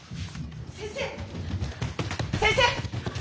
先生先生！